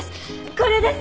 これです！